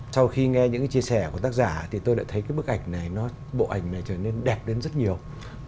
sau khi nghe những cái chia sẻ của tác giả thì tôi đã thấy cái bức ảnh này nó bộ ảnh này trở nên đẹp đến rất nhiều